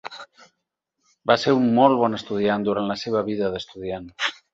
Va ser un molt bon estudiant durant la seva vida d'estudiant.